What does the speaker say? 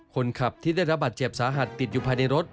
คนขับที่ได้รับบาดเจ็บสาหัสติดอยู่ภายในรถ